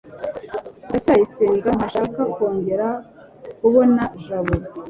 ndacyayisenga ntashaka kongera kubona jabo